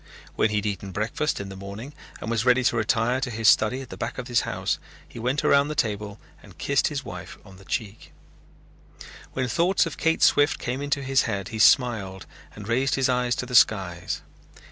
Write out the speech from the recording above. When he had eaten breakfast in the morning and was ready to retire to his study at the back of his house he went around the table and kissed his wife on the cheek. When thoughts of Kate Swift came into his head, he smiled and raised his eyes to the skies.